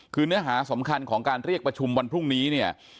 คือเนื้อหาสำคัญของการเรียกประชุมวันพรุ่งนี้เนี่ย